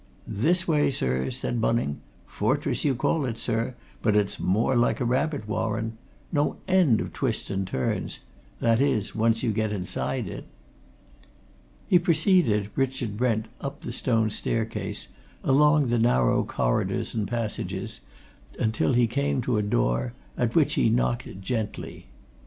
"This way, sir," said Bunning. "Fortress, you call it, sir, but it's more like a rabbit warren! No end of twists and turns that is, once you get inside it." He preceded Richard Brent up the stone staircase, along narrow corridors and passages, until he came to a door, at which he knocked gently.